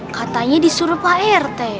katanya disuruh pak rt